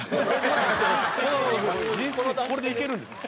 これでいけるんですか？